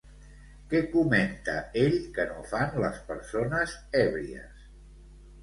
Què comenta ell que no fan les persones èbries?